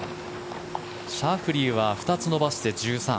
シャフリーは２つ伸ばして１３。